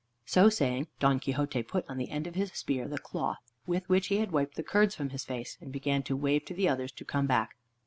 So saying, Don Quixote put on the end of his spear the cloth with which he had wiped the curds from his face, and began to wave to the others to come back.